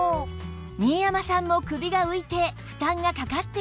新山さんも首が浮いて負担がかかっている状態